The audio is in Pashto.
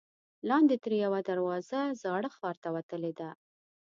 لاندې ترې یوه دروازه زاړه ښار ته وتلې ده.